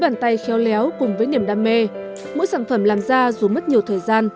bàn tay khéo léo cùng với niềm đam mê mỗi sản phẩm làm ra dù mất nhiều thời gian